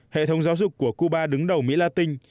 hệ thống giáo dục của cuba đứng đầu mỹ la tinh